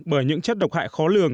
bởi những chất độc hại khó lường